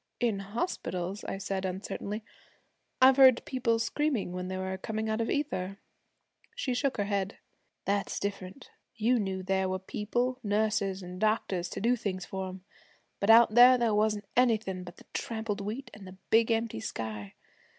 'In hospitals,' I said, uncertainly, 'I've heard people screaming when they were coming out of ether.' She shook her head. 'That's different. You knew there were people, nurses and doctors, to do things for 'em; but out there there wasn't anything but the trampled wheat, an' the big empty sky.